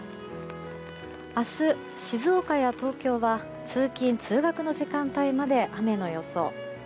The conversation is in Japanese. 明日、静岡や東京は通勤・通学の時間帯まで雨の予想。